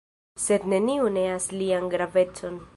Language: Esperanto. Sed neniu neas lian gravecon.